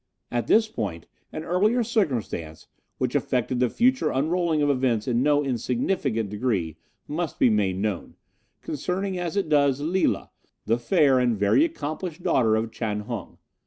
"At this point an earlier circumstance, which affected the future unrolling of events to no insignificant degree, must be made known, concerning as it does Lila, the fair and very accomplished daughter of Chan Hung.